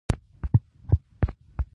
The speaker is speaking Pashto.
مچان د مچ وهونکي غږ ته هم حساس نه وي